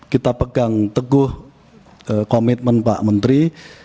kita pegang teguh komitmen pak menteri